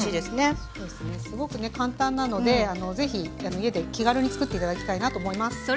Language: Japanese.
すごくね簡単なのでぜひ家で気軽に作って頂きたいなと思います。